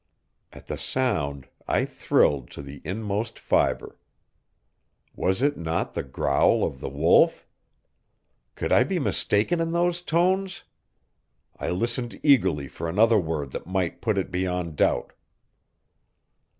At the sound I thrilled to the inmost fiber. Was it not the growl of the Wolf? Could I be mistaken in those tones? I listened eagerly for another word that might put it beyond doubt.